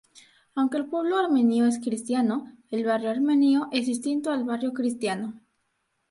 Aunque el pueblo armenio es cristiano, el Barrio Armenio es distinto al Barrio Cristiano.